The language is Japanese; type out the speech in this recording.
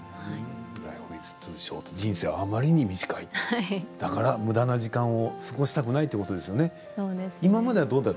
Ｌｉｆｅｉｓｔｏｏｓｈｏｒｔ．人生はあまりに短いだからむだな時間を過ごしたくないということですよね。